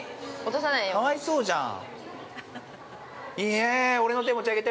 かわいそうじゃん。